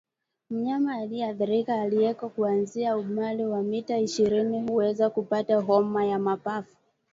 Mnyama asiyeathirika aliyeko kuanzia umbali wa mita ishirini huweza kupata homa ya mapafu